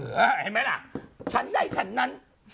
เห็นไหมล่ะฉันใดฉันนั้น